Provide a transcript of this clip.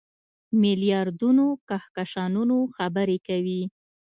میلیاردونو کهکشانونو خبرې کوي.